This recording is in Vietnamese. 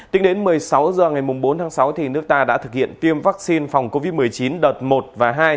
tính đến một mươi sáu h ngày bốn tháng sáu nước ta đã thực hiện tiêm vaccine phòng covid một mươi chín đợt một và hai